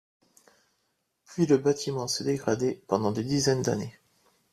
Puis le bâtiment s'est dégradeé pendant des dizaines d'années.